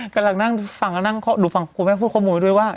กำลังนั่งฟังแล้วนั่งดูฟังคุณแม่พูดข้อมูลไว้ด้วยว่า